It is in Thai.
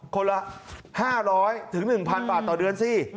คนละ๕๐๐๑๐๐บาทต่อเดือนสิ